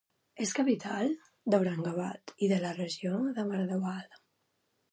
És capital d'Aurangabad i de la regió de Marathwada.